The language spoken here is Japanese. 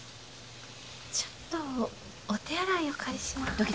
ちょっとお手洗いお借りします。